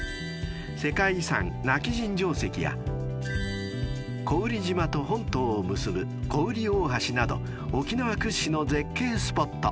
［世界遺産今帰仁城跡や古宇利島と本島を結ぶ古宇利大橋など沖縄屈指の絶景スポット］